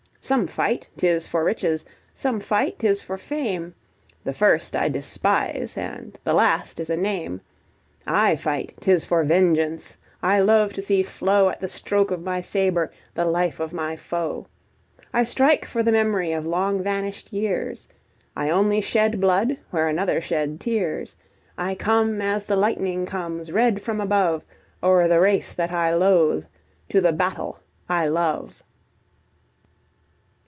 Some fight, 'tis for riches some fight, 'tis for fame: The first I despise, and the last is a name. I fight, 'tis for vengeance! I love to see flow, At the stroke of my sabre, the life of my foe. I strike for the memory of long vanished years; I only shed blood where another shed tears, I come, as the lightning comes red from above, O'er the race that I loathe, to the battle I love.